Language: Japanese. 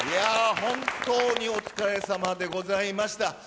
本当にお疲れさまでございました。